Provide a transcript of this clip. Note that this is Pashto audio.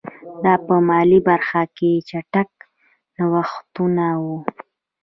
دا په مالي برخه کې چټک نوښتونه وو